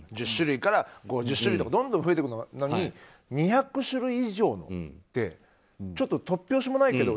１０種類から５０種類とかどんどん増えていくのに２００種類以上って突拍子もない。